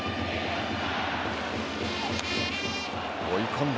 追い込んだ